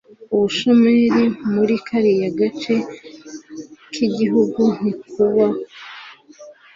ubushomeri muri kariya gace kigihugu ntikubaho